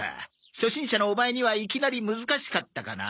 初心者のオマエにはいきなり難しかったかな？